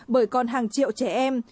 bởi còn hàng triệu trẻ em